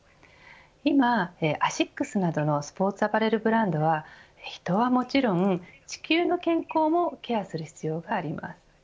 今、アシックスなどのスポーツアパレルブランドは人はもちろん地球の健康もケアする必要があります。